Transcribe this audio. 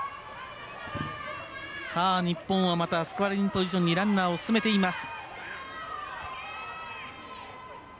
日本はスコアリングポジションにランナーを進めています。